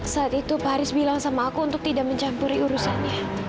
saat itu pak haris bilang sama aku untuk tidak mencampuri urusannya